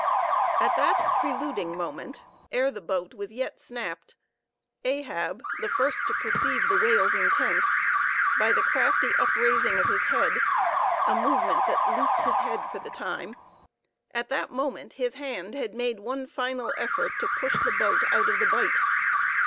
At that preluding moment, ere the boat was yet snapped, Ahab, the first to perceive the whale's intent, by the crafty upraising of his head, a movement that loosed his head for the time; at that moment his hand had made one final effort to push the boat out of the bite.